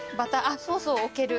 そうそう置ける。